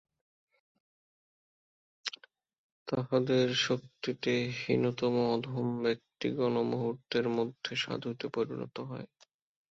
তাঁহাদের শক্তিতে হীনতম অধম ব্যক্তিগণও মুহূর্তের মধ্যে সাধুতে পরিণত হয়।